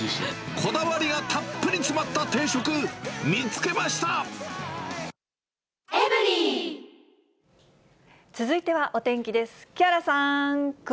こだわりがたっぷり詰まった続いてはお天気です。